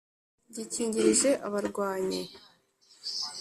gikingirije abarwanyi